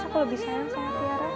aku lebih sayang sama tiara